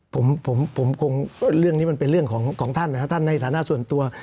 ผมผมคงเรื่องนี้มันเป็นเรื่องของท่านนะครับท่านในฐานะส่วนตัว